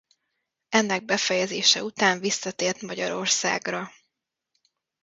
Ennek befejezése után visszatért Magyarországra.